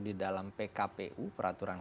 di dalam pkpu peraturan